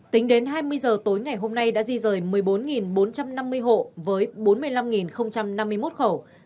tính đến hai mươi giờ tối ngày hôm nay đã di rời một mươi bốn bốn trăm năm mươi hộ với bốn mươi năm năm mươi một khẩu